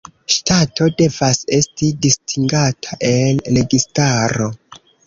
Ŝtato devas esti distingata el registaro.